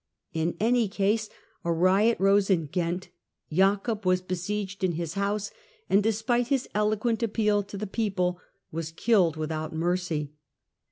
In any case a riot rose in Ghent, Jacob was besieged in his house, and despite his eloquent appeal to the people, was killed without mercy.